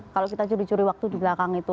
kalau kita curi curi waktu di belakang itu